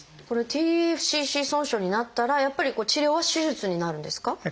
これＴＦＣＣ損傷になったらやっぱり治療は手術になるんですか？